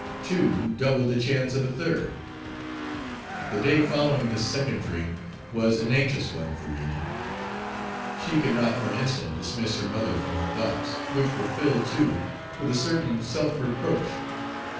Two doubled the chance of a third. The day following this second dream was an anxious one for Rena. She could not for an instant dismiss her mother from her thoughts, which were filled too with a certain self reproach.